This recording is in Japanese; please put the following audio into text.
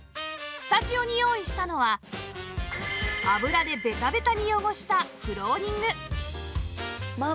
スタジオに用意したのは油でベタベタに汚したフローリング